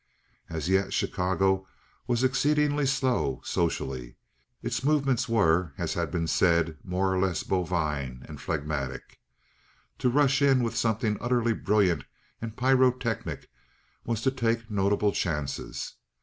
As yet Chicago was exceedingly slow socially. Its movements were, as has been said, more or less bovine and phlegmatic. To rush in with something utterly brilliant and pyrotechnic was to take notable chances.